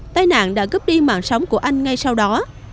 tài nạn đã cướp đi mạng sóng của anh ngay sau đó